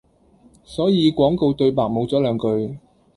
所以廣告對白無咗兩句